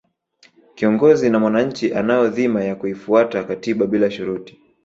kiongozi na mwanachi anayo dhima ya kuifuata katiba bila shuruti